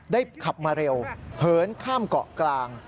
ขับมาเร็วเหินข้ามเกาะกลาง